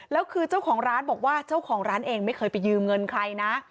แล้วคือเจ้าของร้านบอกว่าเจ้าของร้านเองไม่เคยไปยืมเงินใครนะ